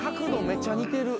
めちゃ似てる。